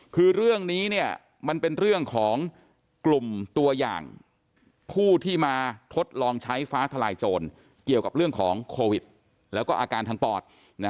คือเรื่องนี้มันเป็นเรื่องของกลุ่มตัวอย่างผู้ที่มาทดลองใช้ฟ้าทลายโจรเกี่ยวกับเรื่องของโควิดแล้วก็อาการทางปอด